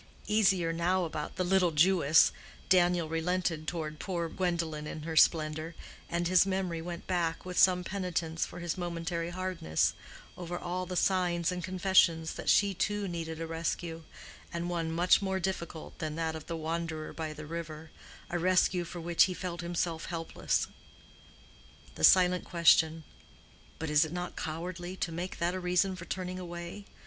Easier now about "the little Jewess," Daniel relented toward poor Gwendolen in her splendor, and his memory went back, with some penitence for his momentary hardness, over all the signs and confessions that she too needed a rescue, and one much more difficult than that of the wanderer by the river—a rescue for which he felt himself helpless. The silent question—"But is it not cowardly to make that a reason for turning away?"